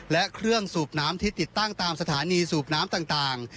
และเครื่องสูบน้ำที่ติดตั้งตามสถานีสูบน้ำต่าง